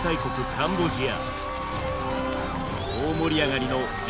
カンボジア！